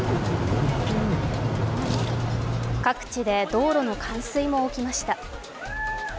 各地で道路の冠水も起きました。